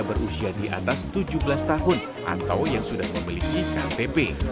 berusia di atas tujuh belas tahun atau yang sudah memiliki ktp